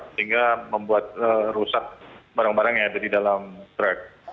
sehingga membuat rusak barang barang yang ada di dalam truk